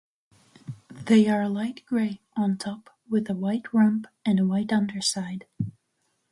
They are light gray on top with a white rump and a white underside.